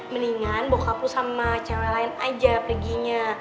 mendingan bokap lo sama cewek lain aja perginya